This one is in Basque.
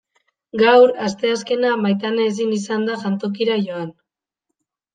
Gaur, asteazkena, Maitane ezin izan da jantokira joan.